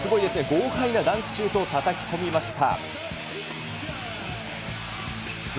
豪快なダンクシュートをたたき込みました。